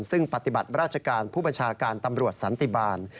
ซึ่งปฏิบัติราชการผู้บัญชาการตำรวจสันติบาล